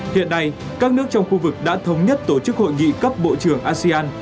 hiện nay các nước trong khu vực đã thống nhất tổ chức hội nghị cấp bộ trưởng asean